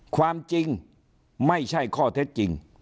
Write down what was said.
ความจริงไม่ใช่ข้อเท็จจริง